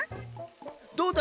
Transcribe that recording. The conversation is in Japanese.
どうだ？